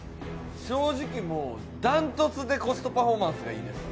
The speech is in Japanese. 正直断トツでコストパフォーマンスがいいんですよ。